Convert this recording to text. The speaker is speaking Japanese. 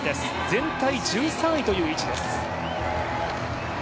全体１３位という位置です。